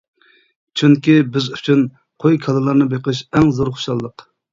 چۈنكى بىز ئۈچۈن قوي كالىلارنى بېقىش ئەڭ زور خۇشاللىق.